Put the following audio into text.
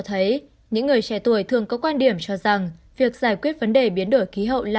thấy những người trẻ tuổi thường có quan điểm cho rằng việc giải quyết vấn đề biến đổi khí hậu là